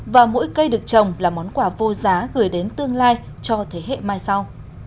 và mỗi cây được trồng là món quà vô giá gửi đến tương lai cho thế hệ mai sau